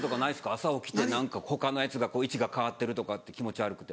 朝起きて何か他のやつが位置が変わってるとかって気持ち悪くて。